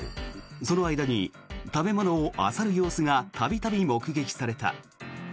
その間に食べ物をあさる様子が度々目撃された。